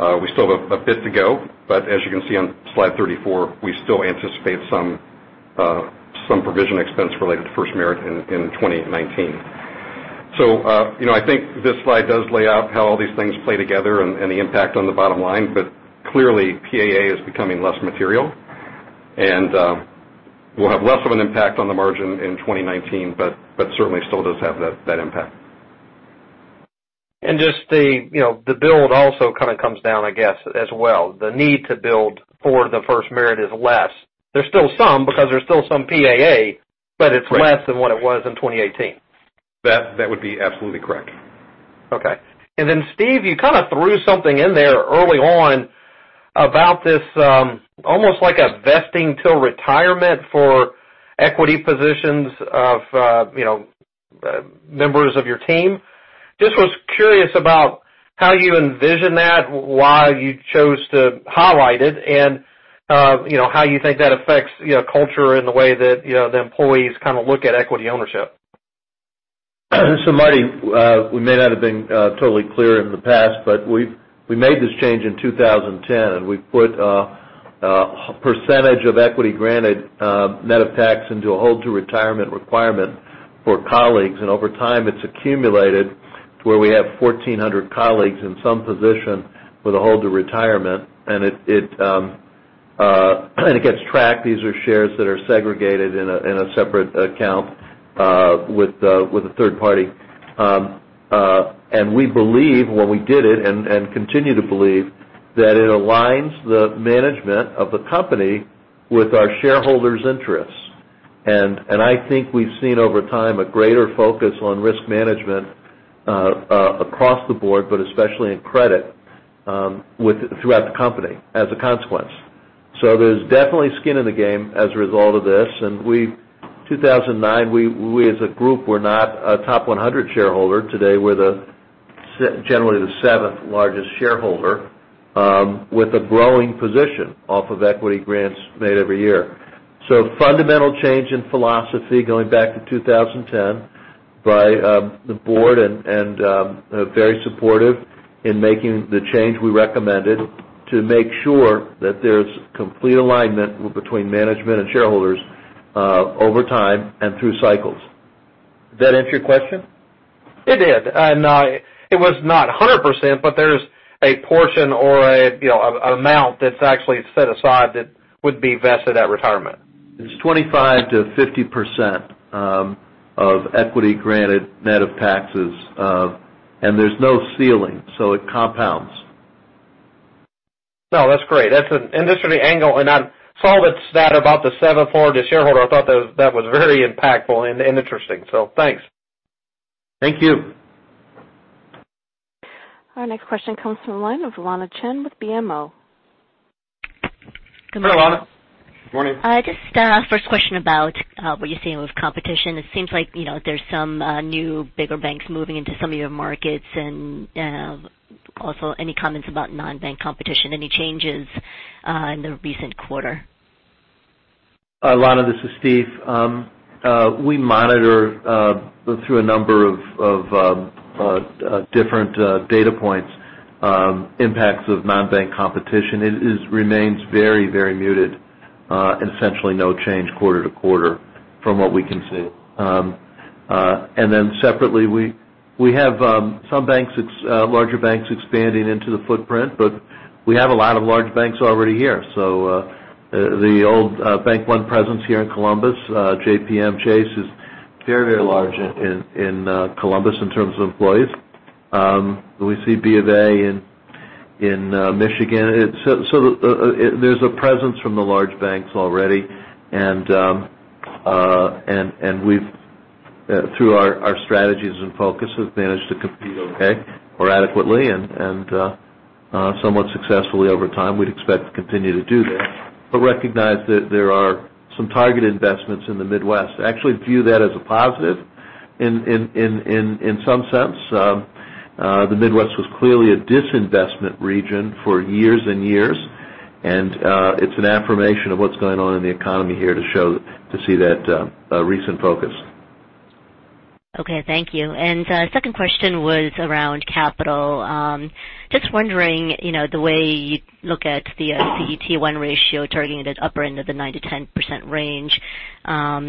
We still have a bit to go, but as you can see on slide 34, we still anticipate some provision expense related to FirstMerit in 2019. I think this slide does lay out how all these things play together and the impact on the bottom line. Clearly, PAA is becoming less material, and will have less of an impact on the margin in 2019, but certainly still does have that impact. The build also kind of comes down, I guess, as well. The need to build for the FirstMerit is less. There's still some, because there's still some PAA, but it's less than what it was in 2018. That would be absolutely correct. Okay. Steve Steinour, you kind of threw something in there early on about this, almost like a vesting till retirement for equity positions of members of your team. Just was curious about how you envision that, why you chose to highlight it, and how you think that affects culture and the way that the employees kind of look at equity ownership. Marty Mosby, we may not have been totally clear in the past, but we made this change in 2010, and we put a percentage of equity granted net of tax into a hold-to-retirement requirement for colleagues. Over time, it's accumulated to where we have 1,400 colleagues in some position with a hold to retirement. It gets tracked. These are shares that are segregated in a separate account with a third party. We believe when we did it, and continue to believe, that it aligns the management of the company with our shareholders' interests. I think we've seen over time a greater focus on risk management across the board, but especially in credit throughout the company as a consequence. There's definitely skin in the game as a result of this. In 2009, we as a group, were not a top 100 shareholder. Today, we're generally the seventh largest shareholder with a growing position off of equity grants made every year. Fundamental change in philosophy going back to 2010 by the board and very supportive in making the change we recommended to make sure that there's complete alignment between management and shareholders over time and through cycles. Does that answer your question? It did. It was not 100%, but there's a portion or an amount that's actually set aside that would be vested at retirement. It's 25%-50% of equity granted net of taxes. There's no ceiling, so it compounds. No, that's great. That's an industry angle. I saw that stat about the seventh-largest shareholder. I thought that was very impactful and interesting. Thanks. Thank you. Our next question comes from the line of Lana Chan with BMO. Hi, Lana Chan. Morning. Just a first question about what you're seeing with competition. It seems like there's some new bigger banks moving into some of your markets and also any comments about non-bank competition, any changes in the recent quarter? Lana Chan, this is Steve Steinour. We monitor through a number of different data points impacts of non-bank competition. It remains very muted and essentially no change quarter to quarter from what we can see. Separately, we have some larger banks expanding into the footprint, but we have a lot of large banks already here. The old Bank One presence here in Columbus, JPMorgan Chase is very large in Columbus in terms of employees. We see B of A in Michigan. There's a presence from the large banks already. We've, through our strategies and focus, have managed to compete okay or adequately and somewhat successfully over time. We'd expect to continue to do that, recognize that there are some target investments in the Midwest. I actually view that as a positive in some sense. The Midwest was clearly a disinvestment region for years and years. It's an affirmation of what's going on in the economy here to see that recent focus. Okay. Thank you. Second question was around capital. Just wondering, the way you look at the CET1 ratio targeted upper end of the 9%-10% range.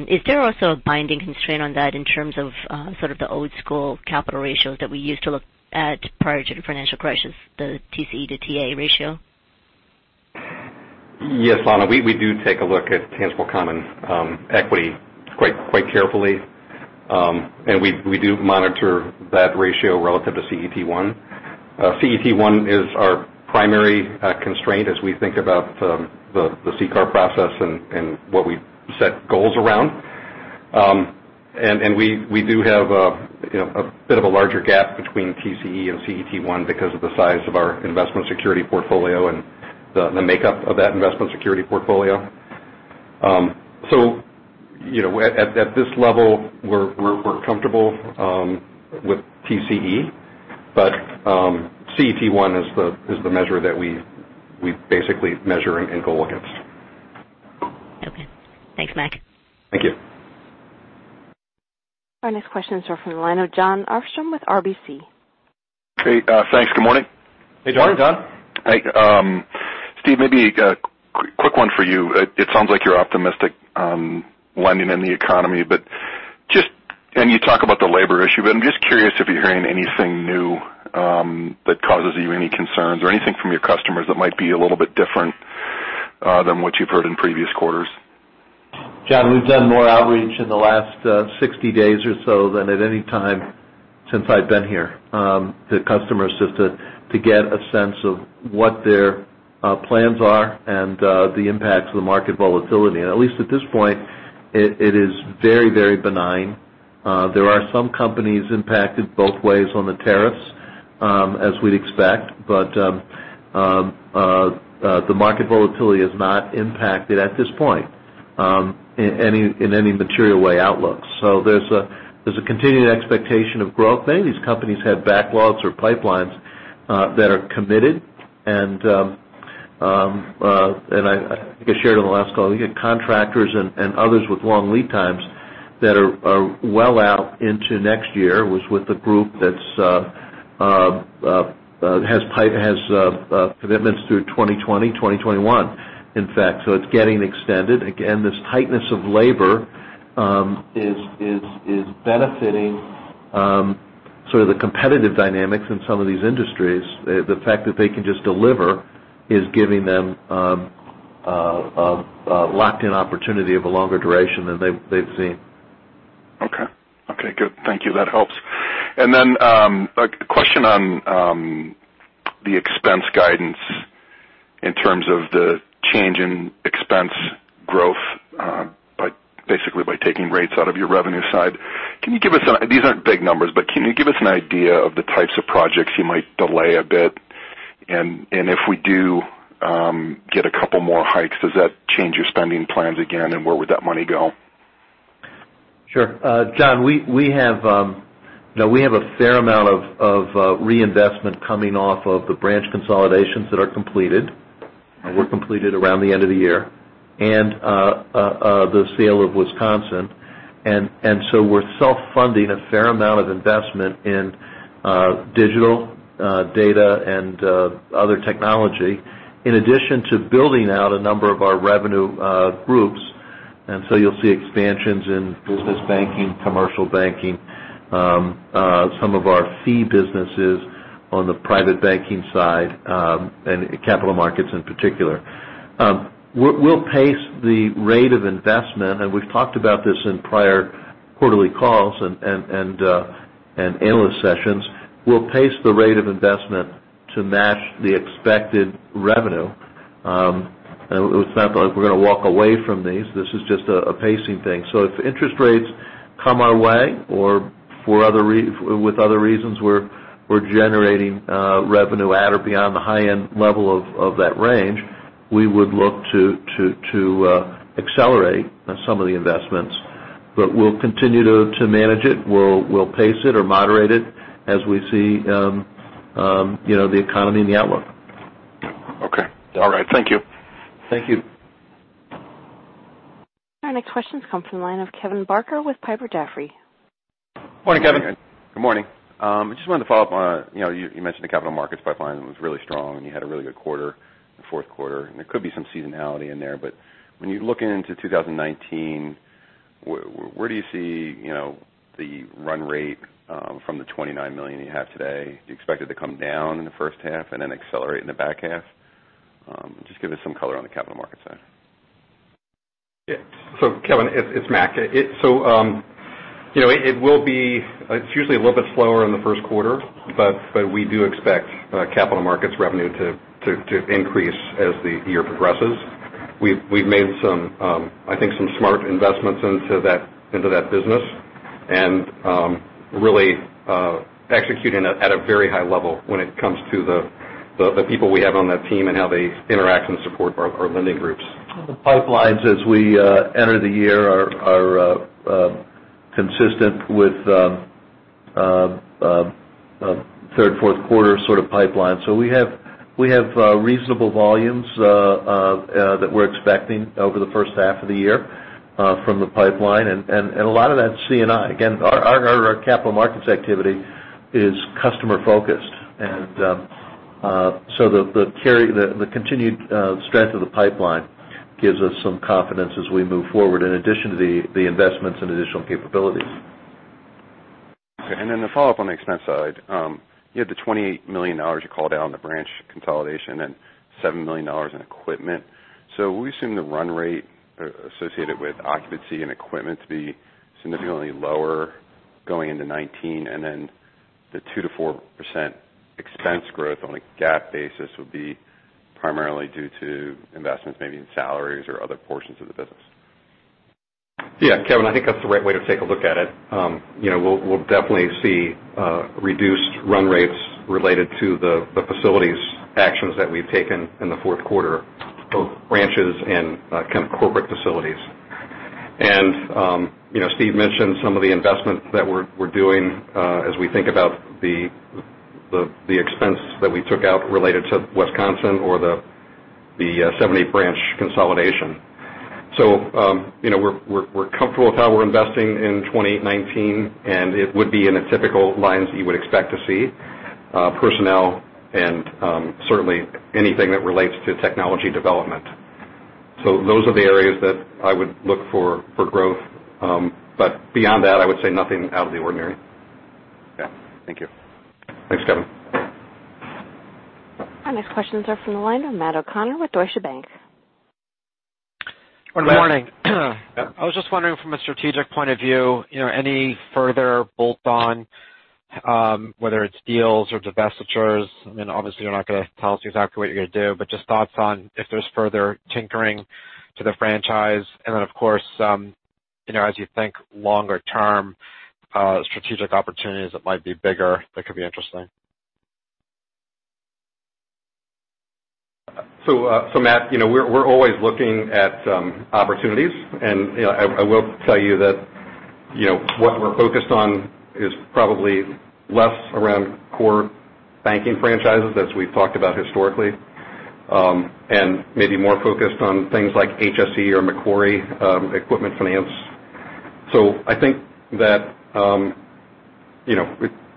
Is there also a binding constraint on that in terms of sort of the old school capital ratios that we used to look at prior to the financial crisis, the TCE to TA ratio? Yes, Lana Chan, we do take a look at tangible common equity quite carefully. We do monitor that ratio relative to CET1. CET1 is our primary constraint as we think about the CCAR process and what we set goals around. We do have a bit of a larger gap between TCE and CET1 because of the size of our investment security portfolio and the makeup of that investment security portfolio. At this level, we're comfortable with TCE, but CET1 is the measure that we basically measure and goal against. Okay. Thanks, Mac McCullough. Thank you. Our next questions are from the line of Jon Arfstrom with RBC. Hey, thanks. Good morning. Hey, Jon Arfstrom. Hi. Steve Steinour, maybe a quick one for you. It sounds like you're optimistic on lending in the economy, and you talk about the labor issue, I'm just curious if you're hearing anything new that causes you any concerns or anything from your customers that might be a little bit different than what you've heard in previous quarters. Jon Arfstrom, we've done more outreach in the last 60 days or so than at any time since I've been here to customers just to get a sense of what their plans are and the impacts of the market volatility. At least at this point, it is very benign. There are some companies impacted both ways on the tariffs, as we'd expect, but the market volatility has not impacted, at this point, in any material way outlook. There's a continued expectation of growth. Many of these companies have backlogs or pipelines that are committed. I think I shared on the last call, you get contractors and others with long lead times that are well out into next year, was with a group that has commitments through 2020, 2021, in fact. It's getting extended. Again, this tightness of labor is benefiting sort of the competitive dynamics in some of these industries. The fact that they can just deliver is giving them a locked-in opportunity of a longer duration than they've seen. Okay, good. Thank you. That helps. Then a question on the expense guidance in terms of the change in expense growth basically by taking rates out of your revenue side. These aren't big numbers, but can you give us an idea of the types of projects you might delay a bit? If we do get a couple more hikes, does that change your spending plans again? Where would that money go? Sure. Jon Arfstrom, we have a fair amount of reinvestment coming off of the branch consolidations that are completed, or were completed around the end of the year, and the sale of Wisconsin. We're self-funding a fair amount of investment in digital data and other technology, in addition to building out a number of our revenue groups. You'll see expansions in business banking, commercial banking, some of our fee businesses on the private banking side, and capital markets in particular. We'll pace the rate of investment, we've talked about this in prior quarterly calls and analyst sessions. We'll pace the rate of investment to match the expected revenue. It's not like we're going to walk away from these. This is just a pacing thing. If interest rates come our way or with other reasons we're generating revenue at or beyond the high end level of that range, we would look to accelerate some of the investments. We'll continue to manage it. We'll pace it or moderate it as we see the economy and the outlook. Okay. All right. Thank you. Thank you. Our next questions come from the line of Kevin Barker with Piper Jaffray. Morning, Kevin Barker. Good morning. I just wanted to follow up on, you mentioned the capital markets pipeline was really strong, you had a really good quarter in the fourth quarter, and there could be some seasonality in there. When you're looking into 2019, where do you see the run rate from the $29 million you have today? Do you expect it to come down in the first half and then accelerate in the back half? Just give us some color on the capital markets side. Yeah. Kevin Barker, it's Mac McCullough. It's usually a little bit slower in the first quarter, but we do expect capital markets revenue to increase as the year progresses. We've made I think some smart investments into that business and really executing at a very high level when it comes to the people we have on that team and how they interact and support our lending groups. The pipelines as we enter the year are consistent with third, fourth quarter sort of pipeline. We have reasonable volumes that we're expecting over the first half of the year from the pipeline. A lot of that C&I. Again, our capital markets activity is customer focused. The continued strength of the pipeline gives us some confidence as we move forward, in addition to the investments in additional capabilities. Okay, the follow-up on the expense side. You had the $28 million you called out on the branch consolidation and $7 million in equipment. We assume the run rate associated with occupancy and equipment to be significantly lower going into 2019, and the 2%-4% expense growth on a GAAP basis would be primarily due to investments, maybe in salaries or other portions of the business. Kevin Barker, I think that's the right way to take a look at it. We'll definitely see reduced run rates related to the facilities actions that we've taken in the fourth quarter, both branches and kind of corporate facilities. Steve Steinour mentioned some of the investments that we're doing as we think about the expense that we took out related to Wisconsin or the 70 branch consolidation. We're comfortable with how we're investing in 2019, and it would be in the typical lines that you would expect to see. Personnel and certainly anything that relates to technology development. Those are the areas that I would look for growth. Beyond that, I would say nothing out of the ordinary. Okay. Thank you. Thanks, Kevin Barker. Our next questions are from the line of Matt O'Connor with Deutsche Bank. Good morning. I was just wondering from a strategic point of view, any further bolt-on, whether it's deals or divestitures. Obviously, you're not going to tell us exactly what you're going to do, but just thoughts on if there's further tinkering to the franchise. Then, of course, as you think longer term, strategic opportunities that might be bigger that could be interesting. Matt O'Connor, we're always looking at opportunities. I will tell you that what we're focused on is probably less around core banking franchises as we've talked about historically, and maybe more focused on things like HSE or Macquarie Equipment Finance. I think that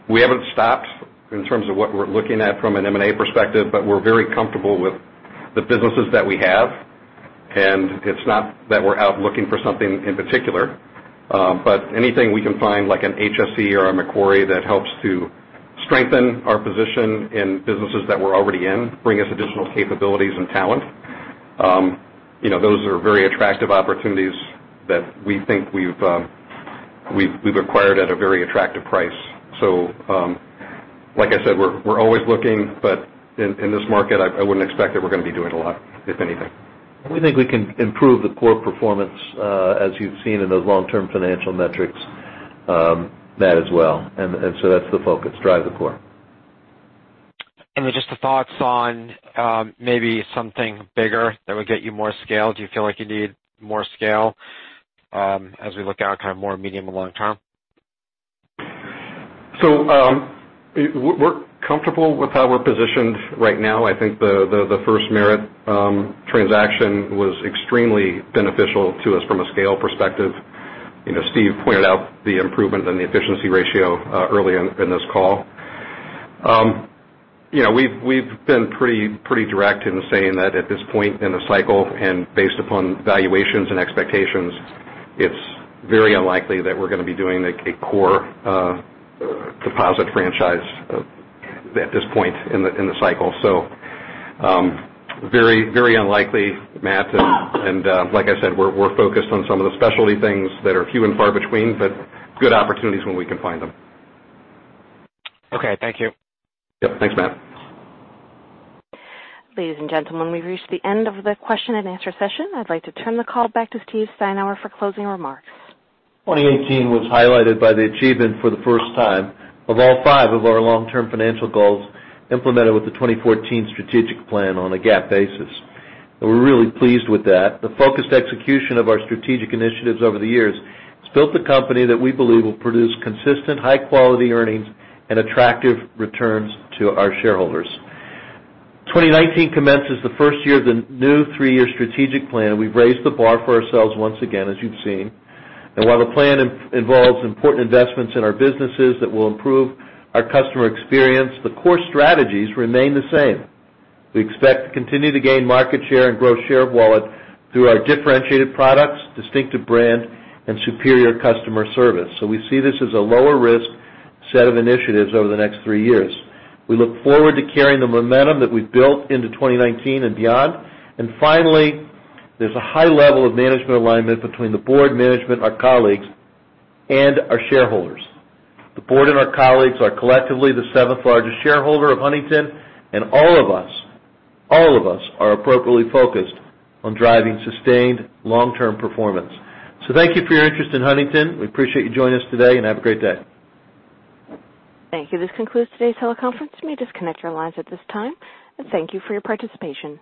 we haven't stopped in terms of what we're looking at from an M&A perspective, but we're very comfortable with the businesses that we have. It's not that we're out looking for something in particular. Anything we can find, like an HSE or a Macquarie that helps to strengthen our position in businesses that we're already in, bring us additional capabilities and talent. Those are very attractive opportunities that we think we've acquired at a very attractive price. Like I said, we're always looking but in this market, I wouldn't expect that we're going to be doing a lot, if anything. We think we can improve the core performance as you've seen in those long-term financial metrics, Matt O'Connor, as well. That's the focus, drive the core. Just the thoughts on maybe something bigger that would get you more scale. Do you feel like you need more scale as we look out kind of more medium and long term? We're comfortable with how we're positioned right now. I think the FirstMerit transaction was extremely beneficial to us from a scale perspective. Steve Steinour pointed out the improvement in the efficiency ratio early in this call. We've been pretty direct in saying that at this point in the cycle and based upon valuations and expectations, it's very unlikely that we're going to be doing a core deposit franchise at this point in the cycle. Very unlikely, Matt O'Connor. Like I said, we're focused on some of the specialty things that are few and far between, but good opportunities when we can find them. Okay. Thank you. Yep. Thanks, Matt O'Connor. Ladies and gentlemen, we've reached the end of the question and answer session. I'd like to turn the call back to Steve Steinour for closing remarks. 2018 was highlighted by the achievement for the first time of all five of our long-term financial goals implemented with the 2014 strategic plan on a GAAP basis. We're really pleased with that. The focused execution of our strategic initiatives over the years has built a company that we believe will produce consistent high-quality earnings and attractive returns to our shareholders. 2019 commences the first year of the new three-year strategic plan. We've raised the bar for ourselves once again, as you've seen. While the plan involves important investments in our businesses that will improve our customer experience, the core strategies remain the same. We expect to continue to gain market share and grow share of wallet through our differentiated products, distinctive brand, and superior customer service. We see this as a lower risk set of initiatives over the next three years. We look forward to carrying the momentum that we've built into 2019 and beyond. Finally, there's a high level of management alignment between the board management, our colleagues, and our shareholders. The board and our colleagues are collectively the seventh largest shareholder of Huntington. All of us are appropriately focused on driving sustained long-term performance. Thank you for your interest in Huntington. We appreciate you joining us today. Have a great day. Thank you. This concludes today's teleconference. You may disconnect your lines at this time. Thank you for your participation.